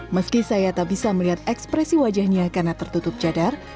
meski saya tak bisa melihat ekspresi wajahnya karena tertutup cadar